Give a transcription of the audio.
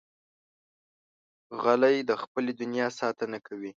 غلی، د خپلې دنیا ساتنه کوي.